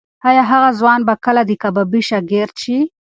ایا هغه ځوان به کله د کبابي شاګرد شي؟